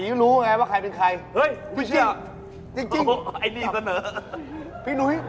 มึงเรียกมาเพื่อให้มันตกหูด้วยนะ